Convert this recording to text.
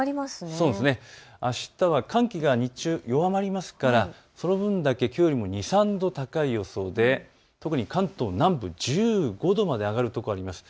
あしたは寒気が日中弱まりますからその分だけきょうよりも２、３度高い予想で特に関東南部１５度まで上がる所があります。